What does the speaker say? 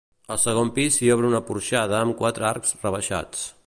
Al segon pis s'hi obre una porxada amb quatre arcs rebaixats.